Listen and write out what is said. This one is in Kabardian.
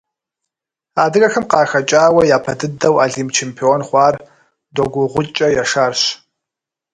Адыгэхэм къахэкӀауэ япэ дыдэу Олимп чемпион хъуар Догу-ГъукӀэ Яшарщ.